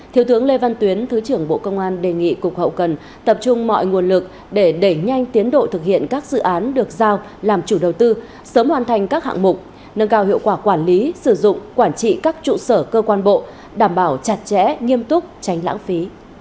thiếu tướng lê văn tuyến thứ trưởng bộ công an đề nghị cục hậu cần tập trung mọi nguồn lực để đẩy nhanh tiến độ thực hiện các dự án được giao làm chủ đầu tư sớm hoàn thành các hạng mục nâng cao hiệu quả quản lý sử dụng quản trị các trụ sở cơ quan bộ đảm bảo chặt chẽ nghiêm túc tránh lãng phí